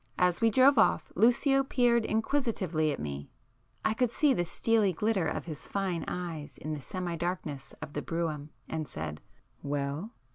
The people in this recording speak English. As we drove off, Lucio peered inquisitively at me—I could see the steely glitter of his fine eyes in the semi darkness of the brougham,—and said— "Well?"